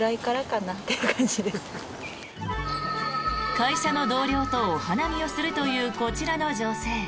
会社の同僚とお花見をするというこちらの女性。